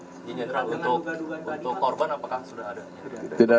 jadi general untuk korban apakah sudah ada